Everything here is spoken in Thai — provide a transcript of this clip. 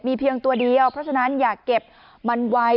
เพียงตัวเดียวเพราะฉะนั้นอยากเก็บมันไว